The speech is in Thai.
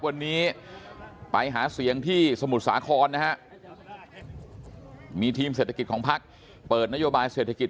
วันนี้ไปหาเสียงที่สมุทรสาครนะฮะมีทีมเศรษฐกิจของพักเปิดนโยบายเศรษฐกิจ